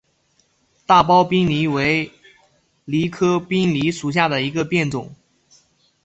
大苞滨藜为藜科滨藜属下的一个变种。